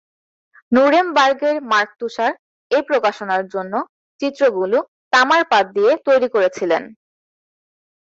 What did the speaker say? নুরেমবার্গের Mark তুশার এই প্রকাশনার জন্য চিত্রগুলো তামার পাত দিয়ে তৈরি করেছিলেন।